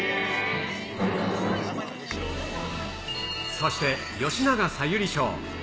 そして、吉永小百合ショー。